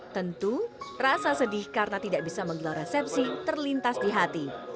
tentu rasa sedih karena tidak bisa menggelar resepsi terlintas di hati